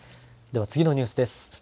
では次のニュースです。